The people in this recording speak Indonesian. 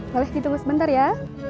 boleh ditunggu sebentar ya